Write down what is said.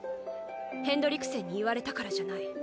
ヘンドリクセンに言われたからじゃない。